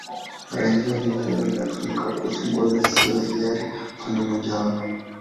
Mara nyingi neno hili linatumika kuhusu ngono isiyo ya hiari upande mmojawapo.